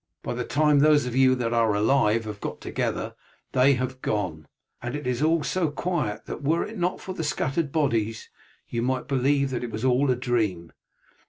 By the time those of you that are alive have got together they have gone, and all is so quiet that were it not for the scattered bodies you might believe that it was all a dream.